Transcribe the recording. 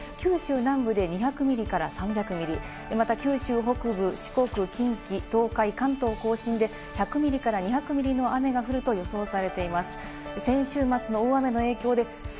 あす正午からあさって正午にかけての多いところで九州南部で２００ミリから３００ミリ、また九州北部、四国、近畿、東海、関東甲信で１００ミリから２００ミリの雨が降ると予想されています。